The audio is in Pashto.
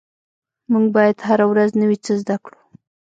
مونږ باید هره ورځ نوي څه زده کړو